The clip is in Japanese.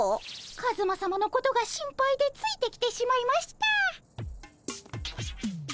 カズマさまのことが心配でついてきてしまいました。